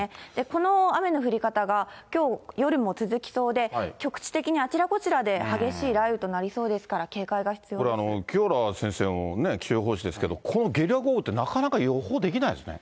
この雨の降り方がきょう夜も続きそうで、局地的にあちらこちらで激しい雷雨となりそうですから、警戒が必これ、清原さんも気象予報士ですけども、このゲリラ豪雨ってなかなか予報できないですよね。